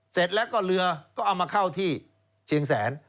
เสร็จแล้วก็เรือก็เอามาเข้าที่เชียงแสน